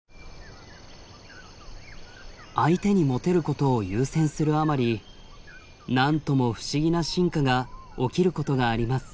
相手にモテることを優先するあまりなんとも不思議な進化が起きることがあります。